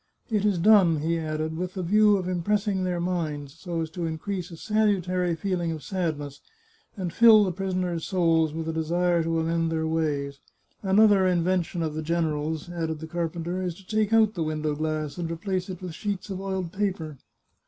" It is done," he added, " with the view of impressing their minds, so as to increase a salutary feeling of sadness, and fill the prisoners' souls with a desire to amend their ways. Another invention of the general's," added the carpenter, " is to take out the window glass and replace it with sheets of oiled paper."